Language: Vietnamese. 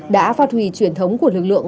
đã phát huy truyền thống của lực lượng